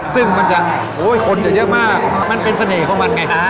ซึ่งมันจะคนจะเยอะมากมันเป็นเสน่ห์ของมันไง